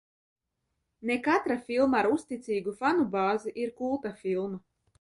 Ne katra filma ar uzticīgu fanu bāzi ir kulta filma.